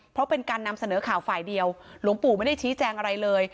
เพราะเป็นการนำเสนอข่าวฝ่ายเดียวหลวงปู่ไม่ได้ชี้แจงอะไรเลย